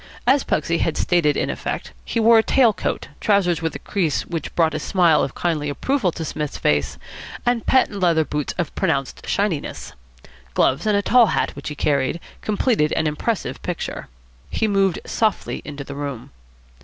As Pugsy had stated in effect, he wore a tail coat, trousers with a crease which brought a smile of kindly approval to Psmith's face, and patent leather boots of pronounced shininess. Gloves and a tall hat, which he carried, completed an impressive picture. He moved softly into the room.